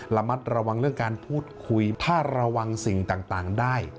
ระมัดระวังเรื่องการพูดคุยถ้าระวังสิ่งต่างได้